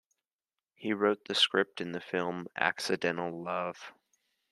He wrote the script in the film "Accidental Love".